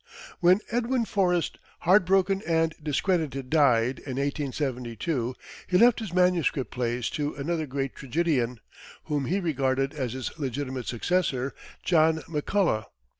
When Edwin Forrest, heart broken and discredited, died in 1872, he left his manuscript plays to another great tragedian, whom he regarded as his legitimate successor, John McCullough.